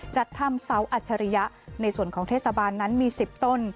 จัดทำเสาอัจฉริยะในส่วนของเทศบาลนั้นมี๑๐ต้น